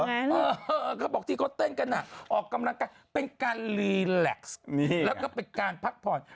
เขาบอกที่เขาเต้นกันอ่ะออกกำลังกายเป็นการรีแล็กซ์แล้วก็เป็นการพักผ่อน